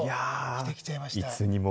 今日、着てきちゃいました。